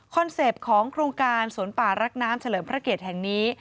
เซ็ปต์ของโครงการสวนป่ารักน้ำเฉลิมพระเกียรติแห่งนี้